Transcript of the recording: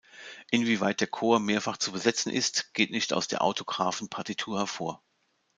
Inwieweit der Chor mehrfach zu besetzen ist, geht nicht aus der autographen Partitur hervor.